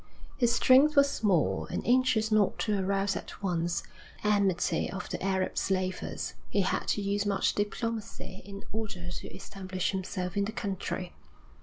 His strength was small, and, anxious not to arouse at once the enmity of the Arab slavers, he had to use much diplomacy in order to establish himself in the country.